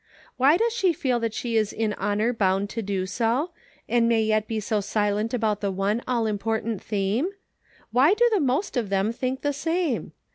Why does she feel that she is in honor bound to do so, and may yet be so silent about the one all important theme .'' Why do the most of them think the same